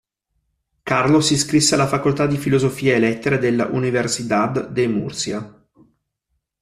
Carlos si iscrisse alla Facoltà di Filosofia e lettere della "Universidad de Murcia".